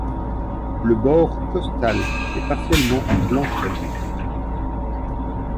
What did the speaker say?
Le bord costal est partiellement blanc crème.